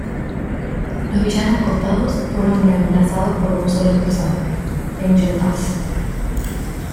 Los villanos cortados fueron reemplazados por un solo personaje, Angel Dust.